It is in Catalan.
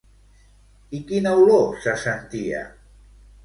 I quina olor se sentia?